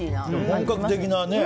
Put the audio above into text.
本格的なね。